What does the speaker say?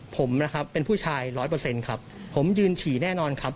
ผมนะครับเป็นผู้ชายร้อยเปอร์เซ็นต์ครับผมยืนฉี่แน่นอนครับ